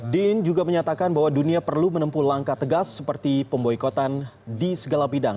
din juga menyatakan bahwa dunia perlu menempuh langkah tegas seperti pemboikotan di segala bidang